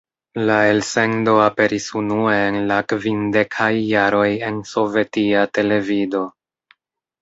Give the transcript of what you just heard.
La elsendo aperis unue en la kvindekaj jaroj en sovetia televido.